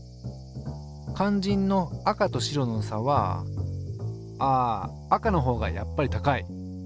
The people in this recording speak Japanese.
かんじんの赤と白の差はああ赤のほうがやっぱり高い。